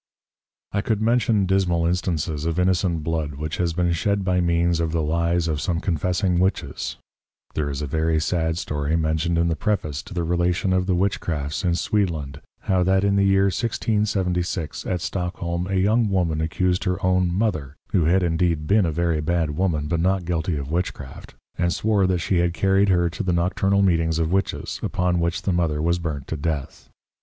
I could mention dismal Instances of Innocent Blood which has been shed by means of the Lies of some Confessing Witches; there is a very sad Story mentioned in the Preface to the Relation of the Witchcrafts in Sweedland, how that in the Year 1676, at Stockholm, a young Woman accused her own Mother (who had indeed been a very bad Woman, but not guilty of Witchcraft,) and Swore that she had carried her to the Nocturnal Meetings of Witches, upon which the Mother was burnt to Death.